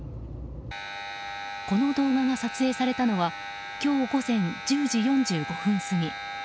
この動画が撮影されたのは今日午前１０時４５分過ぎ。